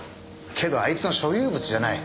けどあいつの所有物じゃない。